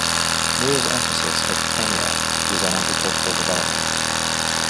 Moore's emphasis as Premier was on agricultural development.